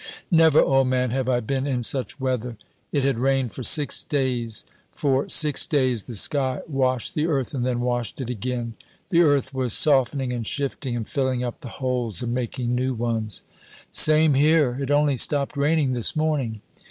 "Never, old man, have I been in such weather. It had rained for six days. For six days the sky washed the earth and then washed it again. The earth was softening and shifting, and filling up the holes and making new ones." "Same here it only stopped raining this morning."